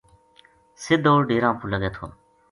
سِدھو ڈیراں پو لگے تھو